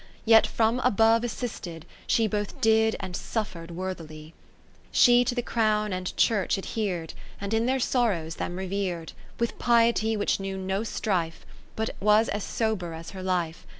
Yet from above assisted, she Both did and suffer'd worthily. She to the Crown and Church ad her'd. And in their sorrows them rever'd, 20 With piety which knew no strife, But was as sober as her life.